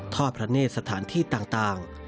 ทอดพระเนธสถานที่ต่าง